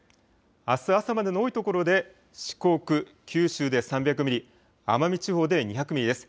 あす朝までの多い所で、四国、九州で３００ミリ、奄美地方では２００ミリです。